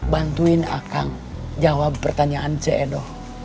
bantuin akang jawab pertanyaan c edo